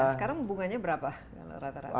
sekarang bunganya berapa